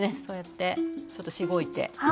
そうやってちょっとしごいて。